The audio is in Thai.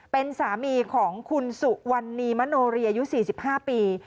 เป็นสามีของคุณสุวรรณีมโนเรียอายุ๔๕ปี